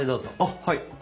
はい。